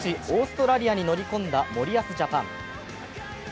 オーストラリアに乗り込んだ森保ジャパン。